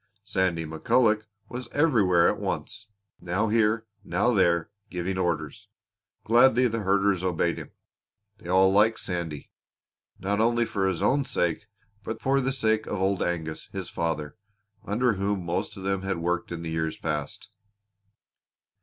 Sandy McCulloch was everywhere at once now here, now there, giving orders. Gladly the herders obeyed him. They all liked Sandy, not only for his own sake but for the sake of Old Angus, his father, under whom most of them had worked in years past.